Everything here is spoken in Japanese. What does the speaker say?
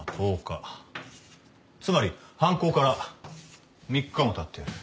つまり犯行から３日もたっている。